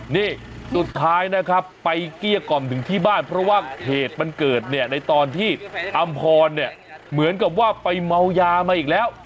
นี่สุดท้ายนะครับไปเกลี้ยกล่อมถึงที่บ้านเพราะว่าเหตุมันเกิดเนี่ยในตอนที่อำพรเนี่ยเหมือนกับว่าไปเมายามาอีกแล้ว